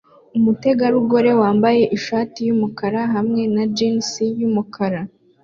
Umutegarugori wambaye ishati yumukara hamwe na jans yumukara